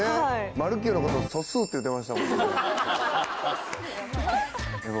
マルキューのことを素数って言ってましたもんね。